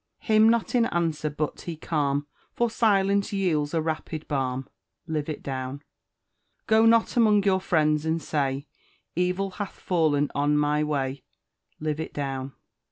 *Him not in answer, but be calm; For silence yields a rapid balm: Live it down! Go not among your friends and say, Evil hath fallen on my way: Live it down!